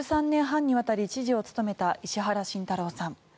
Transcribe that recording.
１３年半にわたり知事を務めた石原慎太郎さん。